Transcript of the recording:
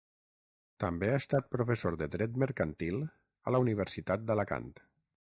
També ha estat professor de dret mercantil a la Universitat d'Alacant.